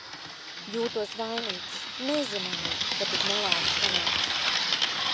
Jūtos vainīgs, nezināju, ka tik nelāgi sanāks!